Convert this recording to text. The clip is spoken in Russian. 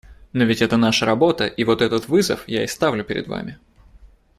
Но ведь это наша работа, и вот этот вызов я и ставлю перед вами.